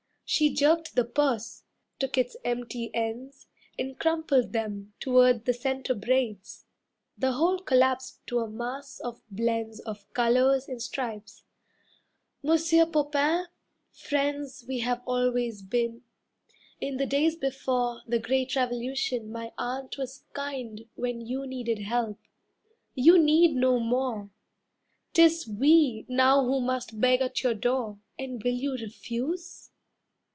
She jerked the purse, took its empty ends And crumpled them toward the centre braids. The whole collapsed to a mass of blends Of colours and stripes. "Monsieur Popain, friends We have always been. In the days before The Great Revolution my aunt was kind When you needed help. You need no more; 'Tis we now who must beg at your door, And will you refuse?"